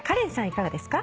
いかがですか？